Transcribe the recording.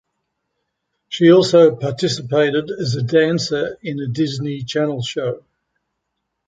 She also participated as a dancer in a Disney Channel show.